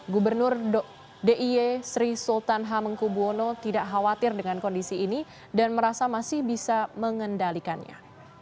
gubernur d i e sri sultan hamengkubwono tidak khawatir dengan kondisi ini dan merasa masih bisa mengendalikannya